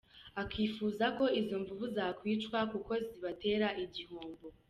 Akifuza ko izo mvubu zakwicwa kuko zibatera igihombo.